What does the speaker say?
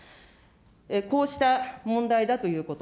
こうした問題だということ。